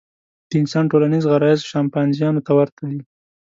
د انسان ټولنیز غرایز شامپانزیانو ته ورته دي.